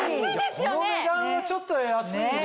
この値段はちょっと安いね。